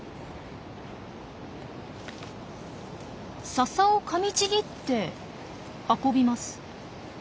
ササをかみちぎって運びます。